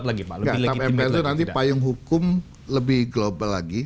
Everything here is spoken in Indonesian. tap mpr itu nanti payung hukum lebih global lagi